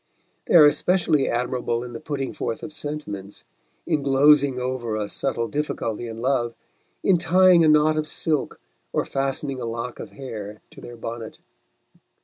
They are especially admirable in the putting forth of sentiments, in glozing over a subtle difficulty in love, in tying a knot of silk or fastening a lock of hair to their bonnet.